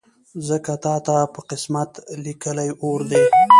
ځکه تاته په قسمت لیکلی اور دی